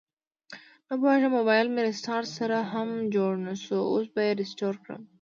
نپوهیږم مبایل مې ریسټارټ سره هم جوړ نشو، اوس به یې ریسټور کړم